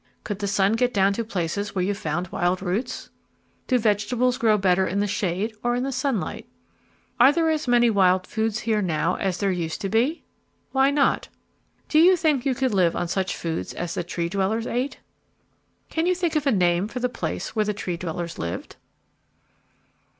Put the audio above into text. Could the sun get down to places where you found wild roots? Do vegetables grow better in the shade or in the sunlight? Are there as many wild foods here now as there used to be? Why not? Do you think you could live on such foods as the Tree dwellers ate? Can you think of a name for the place where the Tree dwellers lived?